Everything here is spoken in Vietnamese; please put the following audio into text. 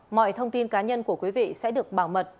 mọi thông tin cá nhân của quý vị sẽ được bảo mật